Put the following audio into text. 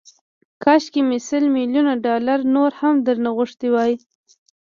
کاشکي مې سل ميليونه ډالر نور هم درنه غوښتي وای